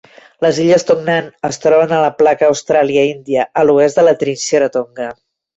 Les illes Tongan es troben a la placa Austràlia-Índia a l'oest de la trinxera Tonga.